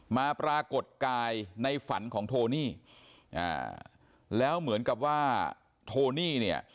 ปรากฏกายในฝันของโทนี่อ่าแล้วเหมือนกับว่าโทนี่เนี่ย